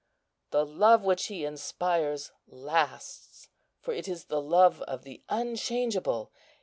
The love which he inspires lasts, for it is the love of the Unchangeable.